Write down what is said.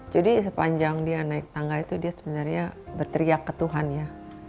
jadi sepanjang dia naik tangga itu dia sebenarnya berteriak ke tuhan ya